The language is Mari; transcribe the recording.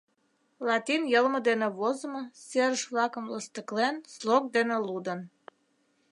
Латин йылме дене возымо — серыш-влакым лостыклен, слог дене лудын.